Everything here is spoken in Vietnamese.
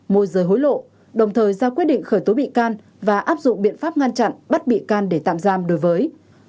môi rời hối lộ đồng thời ra quyết định khởi tố bị can và áp dụng biện pháp ngăn chặn bắt bị can để tạm giam đối với